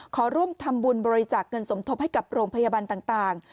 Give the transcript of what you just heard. ขอร่วมทำบุญบริจาคเงินสมทบให้กับโรงพยาบาลต่าง